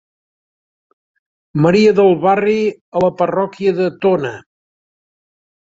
Maria del Barri a la parròquia de Tona.